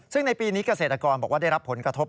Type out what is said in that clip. ซึ่งในปีนี้เกษตรกรบอกว่าได้รับผลกระทบ